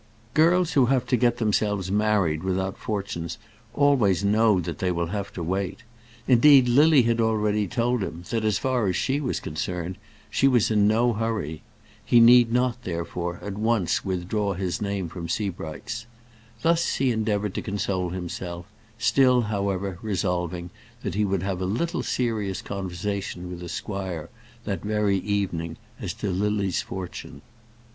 Girls who have to get themselves married without fortunes always know that they will have to wait. Indeed, Lily had already told him, that as far as she was concerned, she was in no hurry. He need not, therefore, at once withdraw his name from Sebright's. Thus he endeavoured to console himself, still, however, resolving that he would have a little serious conversation with the squire that very evening as to Lily's fortune.